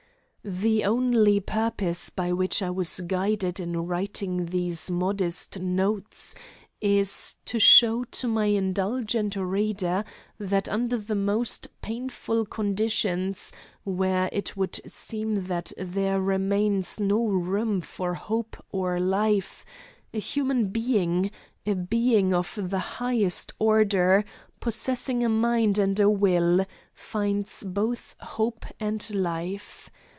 The only purpose by which I was guided in writing these modest notes is to show to my indulgent reader that under the most painful conditions, where it would seem that there remains no room for hope or life a human being, a being of the highest order, possessing a mind and a will, finds both hope and life.